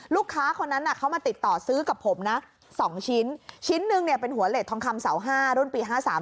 ลูกค้าคนนั้นเขามาติดต่อซื้อกับผมนะสองชิ้นชิ้นหนึ่งเนี่ยเป็นหัวเลสทองคำเสาห้ารุ่นปีห้าสาม